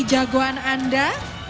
ini jagoan anda